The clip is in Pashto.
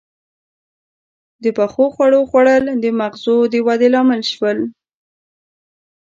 • د پخو خوړو خوړل د مغزو د ودې لامل شول.